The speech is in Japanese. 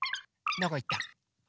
どこいった？う？